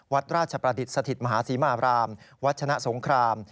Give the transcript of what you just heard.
วัดราชประดิษฐ์สถิตมหาศรีมารามวัชนะสงคราม